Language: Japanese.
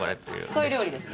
そういう料理です。